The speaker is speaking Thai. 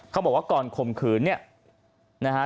เขาบอกว่าก่อนข่มขืนเนี่ยนะฮะ